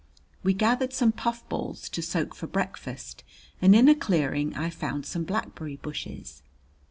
We gathered some puffballs to soak for breakfast and in a clearing I found some blackberry bushes.